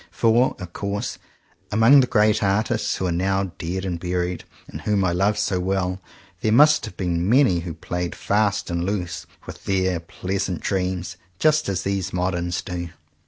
For, of course, among the great artists, who are now dead and buried, and whom I love so well, there must have been many who played fast and loose with their pleasant dreams, just as these moderns do.